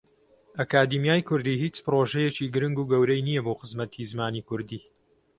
ئەکادیمیای کوردی هیچ پرۆژەیەکی گرنگ و گەورەی نییە بۆ خزمەتی زمانی کوردی.